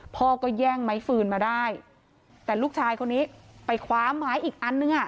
พ่อก็แย่งไม้ฟืนมาได้แต่ลูกชายคนนี้ไปคว้าไม้อีกอันนึงอ่ะ